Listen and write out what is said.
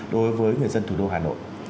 đối với người dân thủ đô hà nội